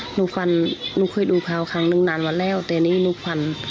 ฟันหนูเคยดูข่าวครั้งนึงนานวันแล้วแต่นี่หนูฟัน